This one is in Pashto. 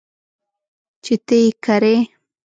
چې ته یې کرې .